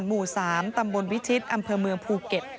หมู่๓ตำบลวิชิตอำเภอเมืองภูเก็ต